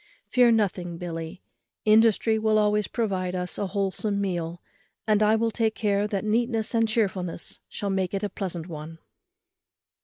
Fear nothing, Billy, industry will always provide us a wholesome meal; and I will take care that neatness and chearfulness shall make it a pleasant one."